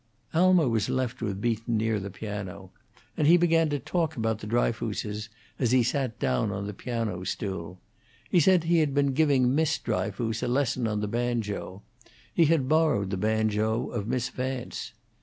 Alma was left with Beaton near the piano, and he began to talk about the Dryfooses as he sat down on the piano stool. He said he had been giving Miss Dryfoos a lesson on the banjo; he had borrowed the banjo of Miss Vance.